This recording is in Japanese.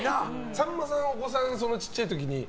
さんまさん、お子さんちっちゃい時に。